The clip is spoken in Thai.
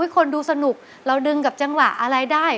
คนดูสนุกเราดึงกับจังหวะอะไรได้